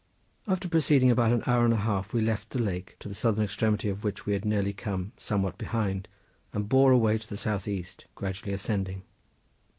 After proceeding about an hour and a half we left the lake, to the southern extremity of which we had nearly come, somewhat behind, and bore away to the south east, gradually ascending.